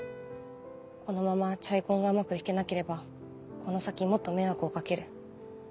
このまま『チャイコン』がうまく弾けなければこの先もっと迷惑をかける。